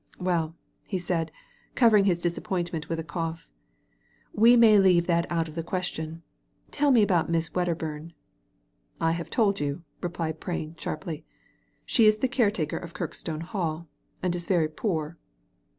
" Well," he said, covering his disappointment with a cough, " we may leave that out of the question. Tell me about Miss Wedderbum." " I have told you," replied Prain, sharply. " She is the caretaker of Kirkstone Hall, and is very poor."